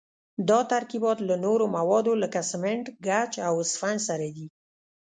دا ترکیبات له نورو موادو لکه سمنټ، ګچ او اسفنج سره دي.